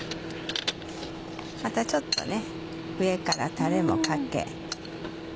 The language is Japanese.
またちょっと上からタレもかけ。